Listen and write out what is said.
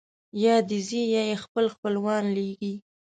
یا دی ځي یا یې خپل خپلوان لېږي.